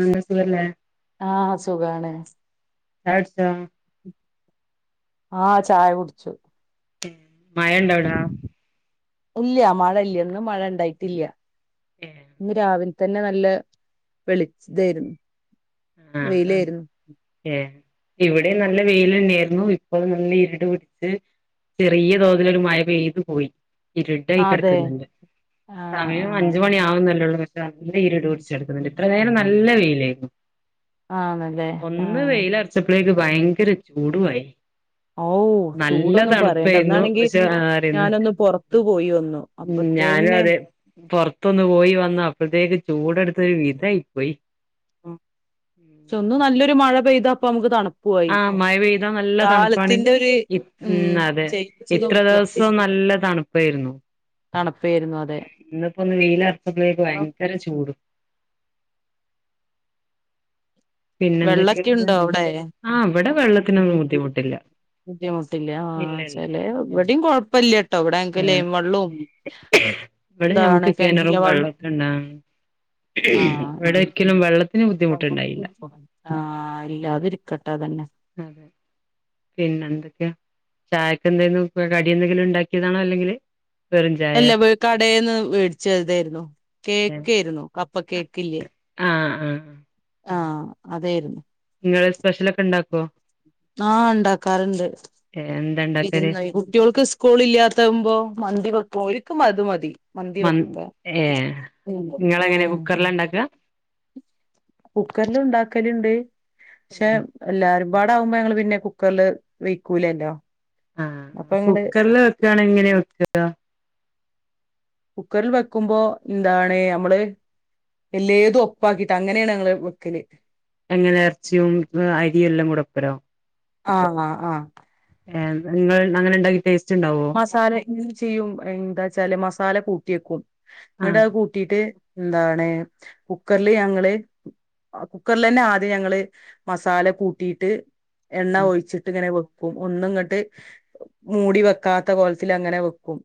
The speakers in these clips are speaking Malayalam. എന്താ സുഖല്ലേ? ആഹ് സുഖാണ് ചായ കുട്ച്ചോ? ആഹ് ചായ കുടിച്ചു ഉം മഴണ്ടോ അവ്ടെ? ഇല്ല്യ മഴല്ല്യ ഇന്ന് മഴ ഇണ്ടായിട്ടില്ല ഏ ഇന്ന് രാവിലെ തന്നെ നല്ല വെളിച്ച ഇതായിരുന്നു വെയിലായിരുന്നു ഏഹേ ഇവിടേം നല്ല വെയിലന്നേയിരുന്നു ഇപ്പൊ നല്ല ഇരുണ്ട് പിടിച്ച് ചെറിയ തോതിലൊരു മഴ പെയ്തു പോയി ഇരുടായി അതെ കെടക്കുന്നുണ്ട് ആണോ സമയം ആഹ് അഞ്ചുമണിയാവുന്നല്ലേ ഒള്ളൂ പക്ഷേ നല്ല ഇരുട് പിടിച്ച് കെടക്കുന്നുണ്ട് ഇത്ര നേരം നല്ല വെയിലേയിരുന്നു ആണല്ലേ? ഒന്ന് ആഹ് വെയിലർച്ചപ്പളേക്ക് ഭയങ്കര ചൂടുവായി ഹാവൂ നല്ല ചൂടൊന്നും പറയണ്ട തണുപ്പായിരുന്നു ഇന്നാണെങ്കി പക്ഷെ ആരുന്നു ഞാനൊന്ന് പൊറത്തു പോയി വന്നു ഉം ഞാനും അപ്പത്തേന്നെ അതെ പൊർത്തൊന്ന് പോയി വന്നു അപ്പഴത്തേക്ക് ചൂടെടുത്തൊരു വിധായി പോയി ഉം ഉം ട്ടൊന്നു നല്ലൊരു മഴ പെയ്താപ്പൊ നമുക്ക് തണു ആഹ് മഴ പെയ്താ നല്ല തണുപ്പാണ് ഒരു ഉം അതെ ചേഞ്ച് ഇത്ര നോക്ക ദിവസം നല്ല തണു പ്പായിരുന്നു തണുപ്പായിരുന്നു ഉം ഇന്നിപ്പോന്ന് വെയിയിലർച്ചപ്പഴേക്ക് അതെ ഭയങ്കര ചൂടും പിന്നെന്തൊക്കേ വെള്ളൊക്കെ ഉണ്ടോ അവിടെ ആഹ് ഇവടെ വെള്ളത്തിനൊന്നും ബുദ്ധിമുട്ടില്ല ബുദ്ധിമുട്ടില്ലാ ഇല്ല ഇല്ല ചെലേ വിടിം കൊഴപ്പില്ല ട്ടോ ഇവിടെ ഞങ്ങക്ക് ആഹ് ലൈൻ വെള്ളോം ഇവിടെ നമ്മക്ക് കെണറും വെള്ളക്കെണ്ടാ ആഹ് ഇവിടോരിക്കലും വെള്ള ത്തിന് ബുദ്ധിമുട്ടുണ്ടായില്ല ആഹ് ഇല്ലാതിരിക്കട്ടെ അതന്നെ അതെ പിന്നെന്തൊക്കെ ചായക്കെന്തെലും കടി എന്തെങ്കിലും ഉണ്ടാക്കിയതാണോ അല്ലെങ്കില് വെറും ചായയോ അല്ല കടേന്ന് വേടിച്ചതേയിരുന്നു കേക്കേയിരുന്നു കപ്പ് കേക്കില്ലേ ആഹ് ആഹ് ആഹ് അതേയിരുന്നു നിങ്ങള് സ്പെഷ്യലൊക്കെണ്ടാക്കോ? ആഹ് ഇണ്ടാക്കാറുണ്ട് എന്താ ഉണ്ടാക്കല് വിടുന്നോയി കുട്ട്യാൾക്ക് സ്കൂൾ ഇല്ലാത്തമ്പോ മന്തി വെക്കും ഓരിക്കും അത് മതി മന്തി മന് വെപ്പാ ഏഹ് ഉം നിങ്ങളെങ്ങനെ ആഹ് കുക്കറില ഉണ്ടാക്കുക കുക്കർലുണ്ടാക്കല്ണ്ട് പക്ഷെ എല്ലാരുംപാടാകുമ്പോ ഞങ്ങള് പിന്നെ കുക്കറില് വെയ്ക്കൂലല്ലോ ആഹ് കുക്കറില് വെക്കാണെ എങ്ങനെയ വെക്കാ കുക്കറില് വെക്കുമ്പോ എന്താണ് നമ്മള് എല്ലേതും ഒപ്പാക്കിട്ട് അങ്ങനെയാണ് ഞങ്ങള് വെക്കല് എങ്ങനെ ഇറച്ചിയും അരിയെല്ലാം കൂടെ ഒപ്പരോ ആഹ് ആഹ് ആഹ് ഏഹ് നിങ്ങള് അങ്ങനെ ഉണ്ടാക്കി ടേസ്റ്റ് ഉണ്ടാവോ മസാല ഇങ്ങനെ ചെയ്യും എന്താ വച്ചാല് മസാല കൂട്ടി വെക്കും എന്നിട്ട് ആഹ് അത് കൂ ട്ടീട്ട് എന്താണ് കുക്കറില് ഞങ്ങള് കുക്കറിൽ തന്നെ ആദ്യം ഞങ്ങള് മസാല കൂട്ടിയിട്ട് എണ്ണ ഒഴിച്ചിട്ട് ഇങ്ങനെ വെക്കും ഒന്ന് ഇങ്ങട്ട് മൂടി വെക്ക വക്കാത്ത കോലത്തിൽ അങ്ങനെ വെക്കും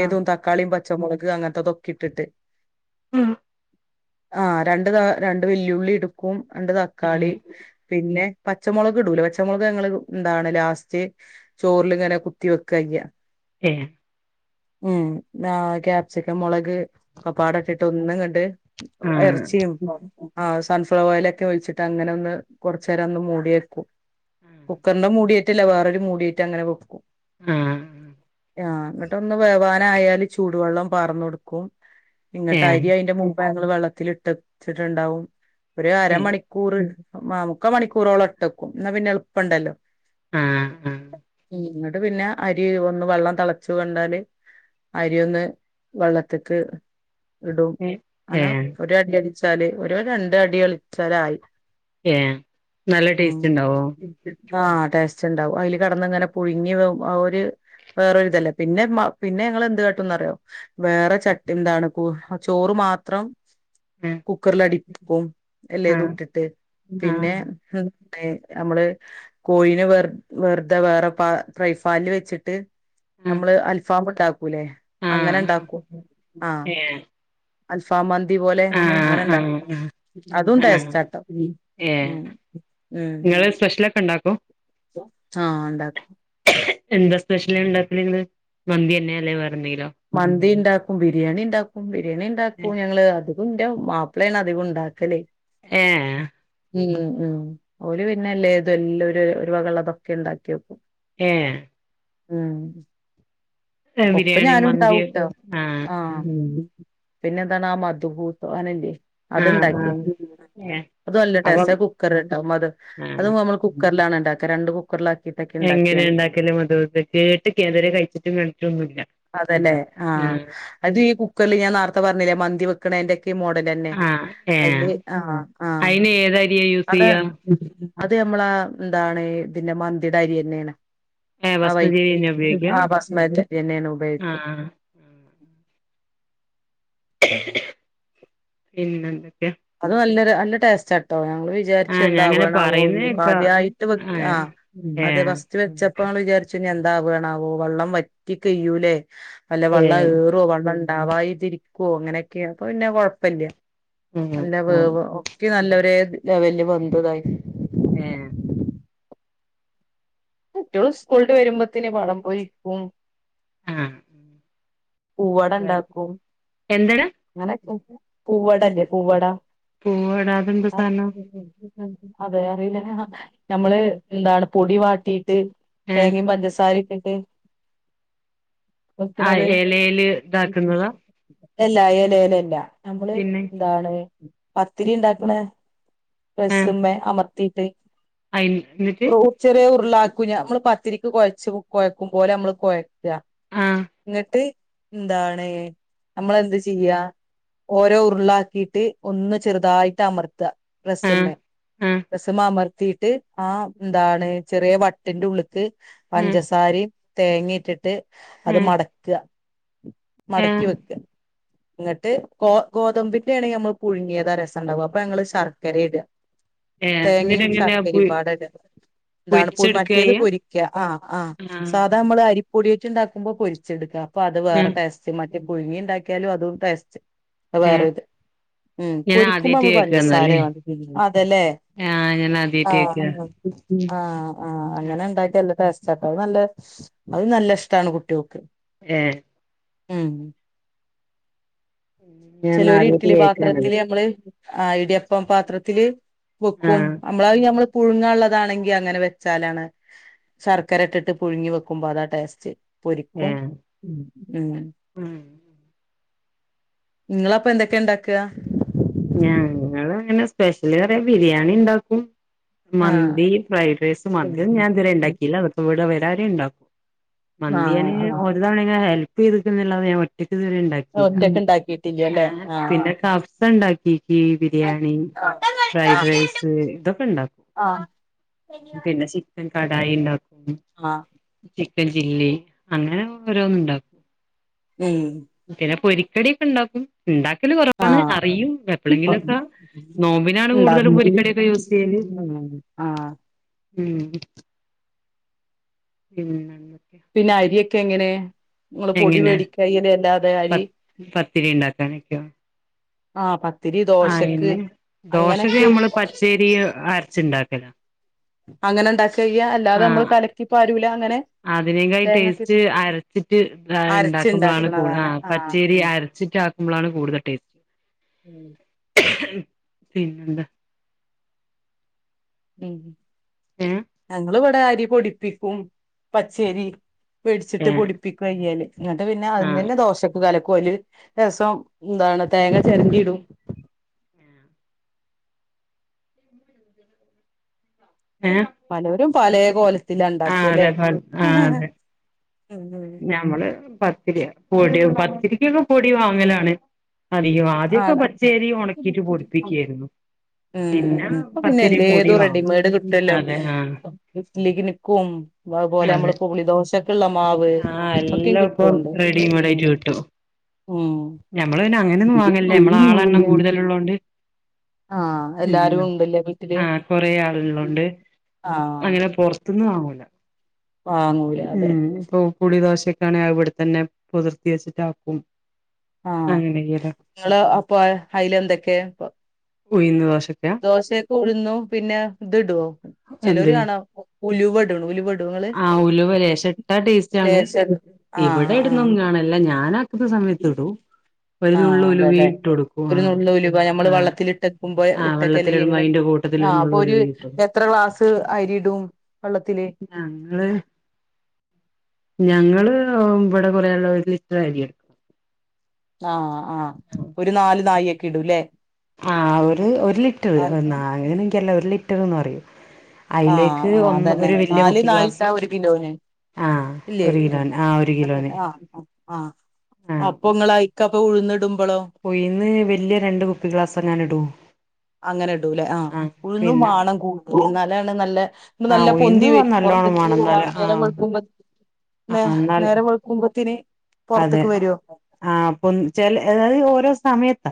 ആഹ് തക്കാളിയും പച്ചമുളക് അങ്ങനത്തെതൊക്കെ ഇട്ടിട്ട് ഉം ആഹ് രണ്ട് ത രണ്ട് വെല്ലുള്ളി എടുക്കും രണ്ട് തക്കാളി പിന്നെ പച്ചമൊളക് ഇടൂല പച്ചമൊളക് ഞങ്ങൾ എന്താണ് ലാസ്റ്റ് ചോറിലിങ്ങനെ കുത്തി വെക്ക കയ്യ ഏഹ് ഉം ആഹ് ക്യാപ്സിക്കം മുളക് ഒക്കെപാടെ ഇട്ടിട്ട് ഒന്ന്ങ്ങട് ഉം ആഹ് എറച്ചിയും ആഹ് സൺഫ്ലവർ ഓയിലൊക്കെ ഒഴിച്ചിട്ട് അങ്ങനെ ഒന്ന് കൊറച്ചു നേരം ഒന്ന് മൂടി വെക്കും കുക്കറിന്റെ മൂടി ആയിട്ടല്ല വേറെ ഒരു മൂടിയേറ്റ് അങ്ങനെ വെക്കും ആഹ് ആ ന്ന്ട്ടൊന്ന് വേവാനായാല് ചൂടുവെള്ളം പാർന്നൊട്ക്കും ഇങ്ങട്ട് ഏഹ് അയ്രി അയ്ന്റെ മു മ്പേ ഞങ്ങള് വെള്ളത്തില്ട്ടെച്ച്ട്ട്ണ്ടാവും ഒരു അരമണിക് കൂറ് ആ മുക്കാ മണിക്കൂറോളം ഇട്ടക്കും ന്നാ പിന്നെ എളുപ്പണ്ടല്ലോ ആഹ് ആഹ് ഉം ഇങ്ങട്ട് പിന്നെ അരി ഒന്ന് വള്ളം തളച്ചു കണ്ടാല് അരി ഒന്ന് വള്ളത്ത്ക്ക് ഇടും അനെ ഏഹ് ഒരു അടി അടിച്ചാല് ഒരു രണ്ടടി കളിച്ചാലായി ഏ നല്ല ടേസ്റ്റ് ണ്ടാവോ ആ ടേസ്റ്റ് ണ്ടാവും അയ്ല് കെട്ന്ന്ങ്ങനെ പുഴുങ്ങി വേവുമ്പോ [unintelligible] ഇത് വേറൊരിതല്ലേ പിന്നെ മാ പിന്നെ ഞങ്ങള് എന്ത് കാട്ടുംന്നറിയോ വേറെ ചട്ടി എന്താണ് പ്പോ ആ ചോറ് മാത്രം ആഹ് കുക്കർല് അടിപ്പിക്കും എല്ലേതുട്ട്ട്ട് ആഹ് പിന്നേ ഹ് പി നമ്മള് കോഴിനേ വെർതെ വേറെ പാ പ്രൈഫാല്ല് വെച്ച്ട്ട് ആഹ് നമ്മള് അൽഫാമ്ണ്ടാക്കൂല്ലേ ആഹ് ആഹ് അങ്ങനെണ്ടാക്കും ആ ഏഹ് അൽഫാമ് മന്തി പോലെ ആഹ് അങ്ങനെണ്ടാക്കും ആഹ് അതും ആഹ് ടേസ്റ്റാ ട്ടോ ഉം ആ ഉം വീട്ട്ലക്കെ ണ്ടാക്കോ ആ ണ്ടാക്കും എന്താ സ്പെഷ്യല് ണ്ടാക്കല് ഇന്ന് മന്തി തന്നേ അല്ലേ വേറെന്തെങ്കിലോ മന്തിണ്ടാക്കും ബിരിയാണിണ്ടാക്കും ബിരിയാണിണ്ടാക്കും ഞങ്ങള് അത് അതും ഇന്റെ മാപ്പ്ളേണ് അധികും ണ്ടാക്കല് ഏഹ് ഉം ഉം ഉം ഓല് പിന്നെല്ലേതും എല്ലാം ഒര് ഒരു വകള്ളതൊക്കെ ണ്ടാക്ക്യോക്കും ഏഹ് ഉം ഏ ബിരിയാണിയും മൻന്ത് [unintelligible] ആ പിന്നെ എന്താണ് ആ മധുപൂത്തോ അനല്ല്യേ ആഹ് ആഹ് അത്ണ്ടാക്കീന്ന് ഏ അതും നല്ല അപ്പം ട്ടേസ്റ്റാ അത് കുക്കർല് ട്ടാ മത് അത് ആഹ് നമ്മള് കു കുക്കർലാണ് ണ്ടാക്ക രണ്ട് കു ക്കർലാക്കീട്ട് എങ്ങനെണ്ടാക്കല് മദ്ഹൂത്ത്? കേട്ട്കേ ഞാൻ ഇത് വരെ കഴിച്ചിട്ടും കണ്ടിട്ടൊന്നുല്ല. തന്നെ ആ ആഹ് അത് ഈ കുക്കർല് ഞാൻ നാർത്ത പർഞ്ഞിലേ മന്തി വെക്കണോൻ്റൊക്കെ അയ്ന്റെ മോഡലന്നെ ആഹ് ഏ അയ്ന് ആ ആ അയിന് ഏതരിയ യൂസ് അത് ചെയ്യാ അത് ഞമ്മളെ എന്താണ് ഇതിന്റെ മന്തിട അരിയെന്നേണ്. ഏ ആ ബസ്മതി അരിന്നെ വൈറ്റ് ഉപയോഗിക്ക ആ ബസ്മന്റെ അരിന്നേണ് ഉപയോഗിക്കാ. ആഹ് പിന്നെന്തൊക്കെ? അത് നല്ലൊര് നല്ല ടേസ്റ്റാട്ടോ ഞങ്ങള് വിജ് ജാര്ച്ചു ആഹ് ഞാൻ അങ്ങനെ പറയുന്ന എന്താവോണാവോന്ന് കേക്കാ ആദ്യായിട്ട് വെക് ആ ആഹ് ഏ അതെ ഫസ്റ്റ് വെച്ച പ്പങ്ങള് വിചാരിച്ചു ഇനി എന്താവാണാവോ വള്ളം വറ്റി കയ്യൂലേ, അല്ല ഏ വള്ള ഏറോ വള്ളൺ ണ്ടാവായിതിരിക്കോ അങ്ങനെക്കേണ് ഇപ്പൊ പിന്നെ കൊഴ്പ്പല്ല്യ ആഹ് നല്ല ആഹ് വേവ് ഒട്ടി നല്ലൊര് ലെവൽല് വെന്തുതായി ഏഹ് കുട്ട്യോള് സ്കൂൾട്ട് വരുമ്പത്തിന് പഴം പൊരിയ്ക്കും. ആഹ് പൂവടണ്ടാക്കും. എന്തട? അങ്ങന പൂവടല്ലേ പൂവട പൂവടാ അതെന്താ ആ സാധനം അതെ അറീല്ലാ നമ്മള് എന്താണ് പൊടി വാട്ടീട്ട് ഏഹ് തേങ്ങെം പഞ്ചസാരെട്ടിട്ട് ആഹ് എലേല് ഇതാക്കുന്നതാ? എല്ല എലേലല്ല. നമ്മള് പിന്നെ ന്താണ് പത്തിരി ഇണ്ടാക്ക്ണെ പ്രസ്സുമ്മേ അമർത്തീട്ട് അയ്ല് ഇന്നിട്ട് ഉ ചെറിയ ഉരുളാക്കു ഞ. മ്മള് പത്തിരിക്ക് കൊഴച്ച് കൊഴക്കുമ്പോലെ നമ്മള് കൊഴ [unintelligible] ആഹ് ന്നിട്ട് ന്താണ് നമ്മളെന്ത് ചെയ്യാ ഓരോ ഉറ്ളാക്കീട്ട് ഒന്ന് ചെറുതായിട്ടമർത്ത. ആഹ് പ്രസ്സുമ്മേ ആഹ് പ്രസ്സുമാമർത്തീട്ട് ആഹ് ന്താണ് ചെറിയ വട്ടിൻ്റുള്ളുക്ക് ആഹ് പഞ്ചസാരിം തേങ്ങേട്ടിട്ട് അത് ആഹ് മടക്ക്അ ആഹ് മടക്കി വെക്ക. ഇന്ന്ട്ട് ഗോ ഗോതമ്പിൻ്റേണെങ്കി അമ്മള് പുഴുങ്ങിയതാ രസണ്ടാവ. അപ്പൊ ഞങ്ങള് ശർക്കരെ ഇട. ഏഹ് എന്നിട്ട് തേങ്ങയും എങ്ങനെയാ പൊ സർക്കരയും പാട [unintelligible] താണ് പൊ പൊരിച്ചെടുക്കാ മറ്റേത് ചെയ്യാ പൊരിക്ക്യ ആഹ് ആഹ് സർ തമ്മള് അരിപ്പൊടീറ്റ്ണ്ടാക്കുമ്പോ പൊരിച്ചെടുക്കാ അപ്പൊ അത് വേറെ ആഹ് ടേസ്റ്റ്. മറ്റേ പുഴുങ്ങിണ്ടാക് ക്കിയാലും അതും ടേസ്റ്റ്. അ ഏഹ് വേറത്. ഉം ഞാൻ പൊരിക്കുമ്പോ ആദ്യായിട്ട് നമ്മള് പഞ്ചസാര കേക്കാന്നാല്ലേ മതി. അതേല്ലെ? ആഹ് ഞാനാദ്യായിറ്റേക്ക്ആ ഉം ആഹ് ആഹ് അങ്ങനെണ്ടാക്കിയ നല്ല ടേസ്റ്റോട്ടോ. അത് നല്ലെ അത് നല്ല ഇഷ്ടാണ് കുട്ട്യോക്ക്. ഏഹ് ഉം ഞാൻ ചെലോല് ആദ്യായിട്ട് ഇട്ട്ലി കേക്കാണത് പാത്രത്തില് അമ്മള് ആഹ് ഇടിയപ്പ പാത്രത്തില് വെക്കും. ആഹ് അമ്മളായ് അമ്മള് പുഴുങ്ങാള്ളതാണെങ്കി അങ്ങനെ വെച്ചാലാണ് ശർക്കരട്ടിട്ട് പുഴുങ്ങി വെക്കുമ്പോ അതാ ടേസ്റ്റ് പൊരിക്കും. ഉം ഉം ഇങ്ങളപ്പ എന്തെക്കെ ഇണ്ടാക്ക? ഞങ്ങള് അങ്ങനെ സ്പെഷ്യലറയാന് ബിരിയാണിണ്ടാക്കും. ആഹ് മന്തി ഫ്രൈഡ്രൈയ്സ് മന്തി ഒന്ന് ഞാൻ ഇതരെണ്ടാ ഇല്ല വെക്കുവ്ടെ വെരാരെണ്ടാക്കും. ആഹ് മന്തിയാന് ആഹ് ഓ [unintelligible] ഹെൽപ്പെയ്ത്ക്ക്ന്ന്ല്ലാതെ ഞാ ഒറ്റക്കിതരെണ്ടാ ട്ടില്ല ഒറ്റക്ക് ഇണ്ടാക്കിട്ടില്ലല്ലേ ആഹ് പിന്നെ കഫ്സ ഇണ്ടാക്കി. [unintelligible] ബിരിയാണി ആഹ് ഫ്രൈഡ് റൈസ് ഇതൊക്കെ ഇണ്ടാക്കും. [inaudible] പിന്നെ ചിക്കൻ കടായീണ്ടാക്കും അഹ് ചിക്കൻ ചില്ലി അങ്ങനെ ഓരോന്ന്ണ്ടാക്കും. ഉം പിന്നെ പൊരിക്കടിയൊക്കെണ്ടാക്കും ഇണ്ടാക്കല് കൊറവാണ് ആഹ് അറിയും. എപ്ലെങ്കിലൊക്ക നോമ്പിനാണ് കൂടുതലും ഉണ്ടാക്കും പൊരിക്കടിയൊക്കെ യൂസെയ്യല്. ഉം ആഹ് ഉം പിന്നെ എന്തെക്കെയ? പിന്നെ അരിയക്കെ എങ്ങനെ? ഇങ്ങള് പൊടി എങ്ങനെ വേടിക്കാ ചെയ്യല്? അല്ലാതെ പ അരി പത്തിരി ഉണ്ടാക്കാനൊക്കെയോ ആഹ് പത്തിരി ഇതൊ അയ്ന് ദോശക്ക് ഞമ്മള് പച്ചരി അരച്ച് ഇണ്ടാക്കല. അങ്ങനെ ഇണ്ടാക്ക ചെയ്യ അല്ലാതെ നമ്മള് കലക്കിപ്പാരൂല അങ്ങനെ? അതിനേക്കായിം തേങ്ങക്കെ ടേസ്റ്റ് ഇട്ട് അരച്ചിട്ട് ഇണ്ടാക്കുമ്പളാണ് കൂട അരച്ചുണ്ടാക്കണതാണ് ആഹ് ആ പച്ചേരി ആഹ് അര ച്ചിട്ട് ആക്കുമ്പളാണ് കൂടുതൽ ടേസ്റ്റ് ഉം പിന്നെന്ത? ഉം ഏ ഞങ്ങള് ഇവടെ അരി പൊടിപ്പിക്കും പച്ചരി വേടിച്ചിട്ട് ഏ പൊടിപ്പിക്ക ചെയ്യല് എന്നിട്ട് പിന്നെ അത് ആഹ് ന്നന്നെ ദോഷ ക്ക് കലക്കും അയ്ല് ലേസം എന്താണ് തേങ്ങ ചെരണ്ടിയിടും ഏ പലോരും പലേ കോലത്തില ആ ഇണ്ടാക്ക ല്ലേ? അതെ ആ അതെ ഞമ്മള് പത്തിരി ഉം പൊടി പത്തിരിക്കൊക്കെ പൊടി വാങ്ങലാണ് അധികവും ആദ്യൊക്കെ ആണ് പച്ചൈരി ഒണക്കിയിട്ട് പൊടിപ്പിക്ക്യാരുന്നു ഉം ഇപ്പ പിന്നെ എല്ലേതും വാങ്ങും റെഡിമേയ്ഡ് കിട്ടുവല്ലോ അതെ ആ [unintelligible] നിക്കും അത് പോലെ അതെ നമ്മള്പ്പൊ പുളി ദോശക്ക് ഇള്ള മാവ് ആ ഒക്കെയും എല്ലാം ഇപ്പം കിട്ടൂണ്ട് റെഡിമെയ്ഡ് ഉം ആയിട്ട് കിട്ടും ഉം ഞമ്മള് പിന്നെ അങ്ങനൊന്നും വാങ്ങല്ല. നമ്മളെ ആളെണ്ണം കൂടുതലുള്ളോണ്ട്. ആഹ് എല്ലാരും അങ്ങനെ ഉണ്ടല്ലേ വീട്ടില് ആഹ് കൊറേ ആള്ള്ളോണ്ട് ആഹ് അങ്ങനെ പൊറത്ത് ന്ന് വാങ്ങൂല്ല വാങ്ങൂല അതെ ഉം ഇപ്പൊ പുളി ദോശൊക്കാണെ അത് ഇവിടെത്തന്നെ പൊതർത്തി വെച്ചിട്ട് ആക്കും. ആഹ് ഇങ്ങള് അപ്പൊ അയ്ല് എന്തൊക്കെ ഉഴ്ന്ന് ദോശക്ക? ദോശേക്ക് ഉഴുന്നും പിന്നെ ഇത് ഇടൊ? ചെലോര് എന്ത് കാണാ ഉലുവ ഇടുണു ഉലുവ ഇടോ ഇങ്ങള്? ആഹ് ഉലുവ ലേശടും ഇവടെ ഇടുന്നൊന്നും കാണല്ല ഞാന ഇണ്ടാക്കുന്ന സമയത്തിടും ഒരു ആഹ് നുള്ള് ഉലുവിം അതല്ലേ ഇട്ടു കൊടുക്കും ഒരു ആഹ് നുള്ള് ഉലുവ നമ്മള് ആഹ് വള്ളത്തില് ഇട്ടക്കുമ്പോ ആഹ് ഇട്ടക്കല്ലേ വെള്ളത്തിലിടുമ്പോ ഇങ്ങള് അയ്ന്റെ കൂ ആഹ് അപ്പൊ ഒര് എത്ര ക്ലാസ് അരിയിടും വെള്ളത്തില്? ഞ്ഞങ്ങള് ഞങ്ങള് ഇബടെ കൊറേ ആള്ള്ളോണ്ട് ഒര് ലിറ്റർ അരിയെടുക്കും ആഹ് ആഹ് ഒരു നാല് നാഴിയൊക്കെ ഇടൂല്ലേ? ആഹ് ഒര് ഒര് ലിറ്ററ് അത് നാഴി അങ്ങനെ എൻകറീല്ല ഒരു ലിറ്റർന്ന് പറയും ആഹ് അയ്ലേക്ക് ആഹ് ഒന്ന് അതന്നെ ഒരു വല്യ നാല് കുപ്പി നാഴി ഇട്ടാ ഗ്ലാസ് ഒരു കിലോന് ആ ഒരു കിലോന് ആ ഒരു അതെ കിലോന് ആഹ് ആഹ് ആ അപ്പൊ ഇങ്ങളയിക്കപ്പം ഉഴ്ന്നിടുമ്പളോ? ഉഴ്ന്ന് വല്യ രണ്ട് കുപ്പി ഗ്ലാസന്നാണ്ട് ഇടും. അങ്ങനെ ഇടൂലേ ആഹ് ഉഴുന്നും പിന്നെ വാണം ഇന്നാലാണ് നല്ലെ ആ നല്ല ഉയിന്ന് പൊന്തി വരും നല്ലോണം പൊർത്തിക്ക് വേണം എന്നാല് ആ നേരം ആ വെൾക്കുമ്പത്തിന് എന്നാൽ വെൾക്കുമ്പോത്തിന് അതെ ആഹ് പൊന്തി ചെല അതായത് ഓരോ സമയത്ത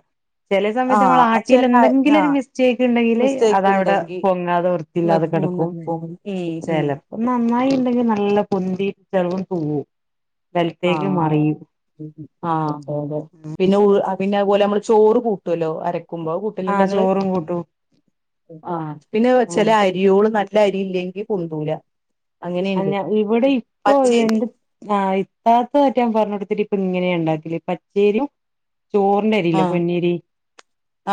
ചെലേ സമയത്ത് നമ്മള് ആഹ് ആട്ടീയേല് ചെല എന്തെങ്കിലൊരു ആഹ് മിസ്റ്റേക്ക് ഇണ്ടെങ്കില് മിസ്റ്റേക്ക് അതവിടെ ഇണ്ടെങ്കി പൊങ്ങാതെ കടക്കും വൃത്തില്ലാതെ നിക്കും കെടക്കും നിക്കും ഉം ചെല ഉം പ്പൊ നന്നായിണ്ടെങ്കി നല്ല പൊന്തി ചെലപ്പൊ തൂവും ചെൽ ആഹ് ആഹ് അതെയതെ പിന്നെ പിന്നെതുപോലെ മ്മള് ചോറ് കൂട്ടോല്ലോ അരക്കുമ്പോ അത് കൂ ട്ടല്ണ്ടോ ആഹ് ഇങ്ങള് ചോറും കൂട്ടും ആഹ് പിന്നത് വെച്ചാൽ അ അരിയോള് നല്ലരില്ലെങ്കി പൊന്തൂല അങ്ങനെയുണ്ട് അല്ല ഇവിടെ ഇപ്പോ പച്ചരി എന്റെ ആഹ് താത്തറ്റ ഞാൻ പറഞൊട്ത്തിട്ട് ഇപ്പങ്ങനെയാ ഇണ്ടാക്കല് പച്ചേരിയും ചോറിന്റരിയില്ലെ ആഹ് പൊന്നിയരി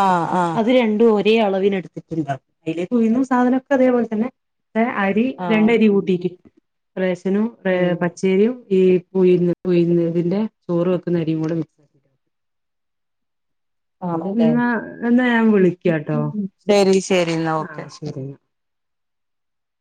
ആഹ് ആഹ് അത് രണ്ടും ഒ രേ അളവില് എട്ത്തിട്ടുണ്ടാവും അതിലേക്കുഴുന്നും സാധനൊക്കതേപോലെ തന്നെ അരി ആഹ് രണ്ടരി കൂട്ട റേഷനും ഉം ഏഹ് പച്ചേരിയും ഈ ഉയ്ന്ന് ഉയ്ന്ന്തിന്റെ ചോറ് വെക്കുന്നരിയും കൂടെ മി ആണല്ലേ ന്നാ എന്നാ ഞാൻ വിളിക്കാട്ടോ ശരി ശരി എന്നാ ഓക്കെ ആഹ് ശരിന്നാ